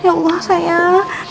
ya allah sayang